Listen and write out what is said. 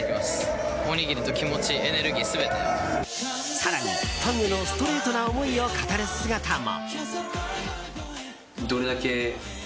更に、ファンへのストレートな思いを語る姿も。